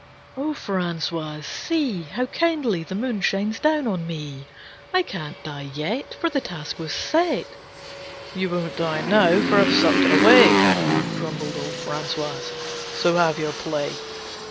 Oh, Francois, see How kindly the moon shines down on me! I can't die yet, For the task was set." "You won't die now, for I've sucked it away," Grumbled old Francois, "so have your play.